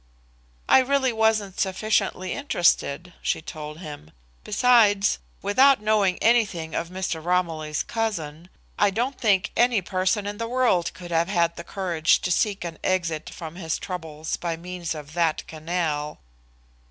"I really wasn't sufficiently interested," she told him. "Besides, without knowing anything of Mr. Romilly's cousin, I don't think any person in the world could have had the courage to seek an exit from his troubles by means of that canal."